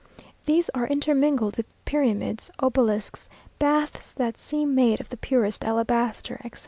These are intermingled with pyramids, obelisks, baths that seem made of the purest alabaster, etc.